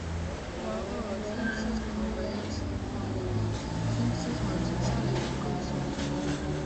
弯萼金丝桃为藤黄科金丝桃属下的一个种。